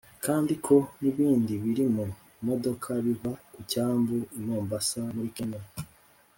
kandi ko n’ibindi biri mu modoka biva ku cyambu i Mombasa muri Kenya